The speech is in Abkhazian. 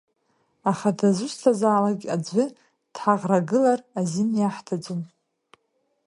Аха дазусҭазаалак аӡәы дҳаӷрагылар азин иаҳҭаӡом…